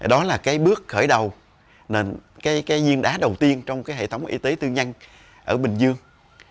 đó là cái bước khởi đầu cái giêng đá đầu tiên trong cái hệ thống y tế tư nhân ở bình dương